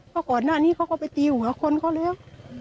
เพราะก่อนหน้านี้เขาก็ไปตีหัวคนเขาแล้ว